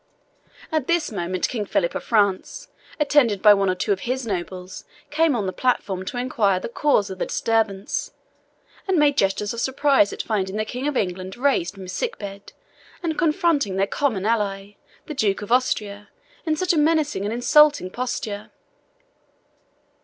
At this moment King Philip of France, attended by one or two of his nobles, came on the platform to inquire the cause of the disturbance, and made gestures of surprise at finding the King of England raised from his sick bed, and confronting their common ally, the Duke of Austria, in such a menacing and insulting posture.